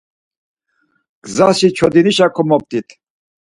Gzaşi çodinişa komoptit.